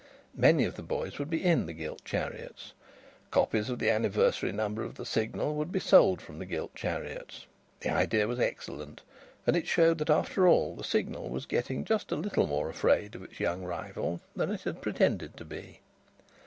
Many of the boys would be in the gilt chariots. Copies of the anniversary number of the Signal would be sold from the gilt chariots. The idea was excellent, and it showed that after all the Signal was getting just a little more afraid of its young rival than it had pretended to be.